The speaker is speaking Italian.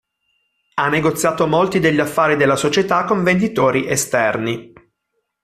Ha negoziato molti degli affari della società con venditori esterni.